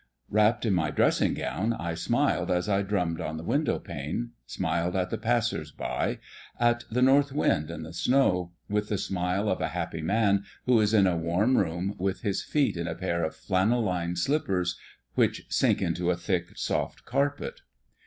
Wrapped in my dressing gown, I smiled as I drummed on the window pane, smiled at the passers by, at the north wind and the snow, with the smile of a happy man who is in a warm room with his feet in a pair of flannel lined slippers which sink into a thick, soft carpet.